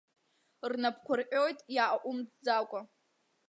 Рнапқәа рҟьоит иааҟәымҵӡакәа.